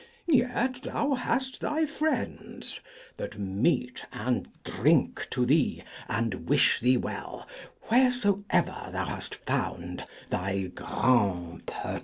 Yet thou hast thy friends, that meet and drink to thee and wish thee well wheresoever thou hast found thy grand peut étre.